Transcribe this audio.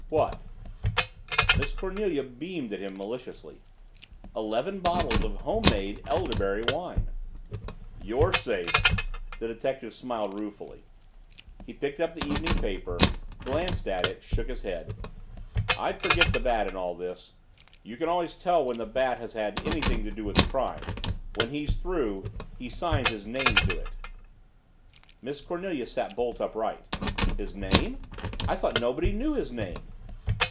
"What?" Miss Cornelia beamed at him maliciously. "Eleven bottles of home made elderberry wine." "You're safe." The detective smiled ruefully. He picked up the evening paper, glanced at it, shook his head. "I'd forget the Bat in all this. You can always tell when the Bat has had anything to do with a crime. When he's through, he signs his name to it." Miss Cornelia sat bolt upright. "His name? I thought nobody knew his name?"